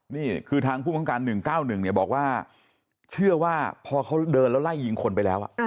นี่คือทางผู้บังการ๑๙๑เนี่ยบอกว่าเชื่อว่าพอเขาเดินแล้วไล่ยิงคนไปแล้ว